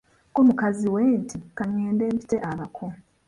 Ko mukazi we nti, Ka ngende mpite abako.